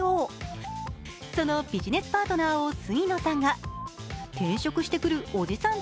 そのビジネスパートナーを杉野さんが、転職してくるおじさん